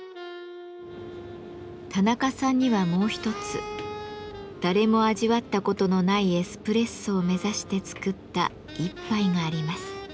田中さんにはもう一つ「誰も味わったことのないエスプレッソ」を目指して作った一杯があります。